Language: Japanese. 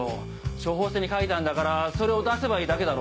処方箋に書いてあんだからそれを出せばいいだけだろ？